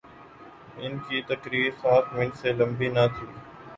ان کی تقریر سات منٹ سے لمبی نہ تھی۔